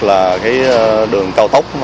là đường cao tốc